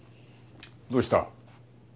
どうした？